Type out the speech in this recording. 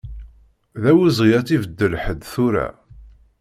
D awezɣi ad tt-ibeddel ḥedd tura.